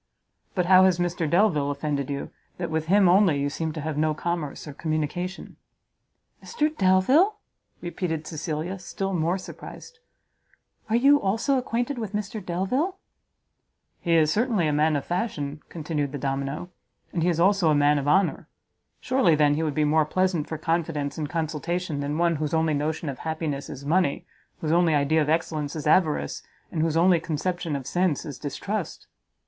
"But how has Mr Delvile offended you, that with him only you seem to have no commerce or communication?" "Mr Delvile!" repeated Cecilia, still more surprised, "are you also acquainted with Mr Delvile?" "He is certainly a man of fashion," continued the domino, "and he is also a man of honour; surely, then, he would be more pleasant for confidence and consultation than one whose only notion of happiness is money, whose only idea of excellence is avarice, and whose only conception of sense is distrust!"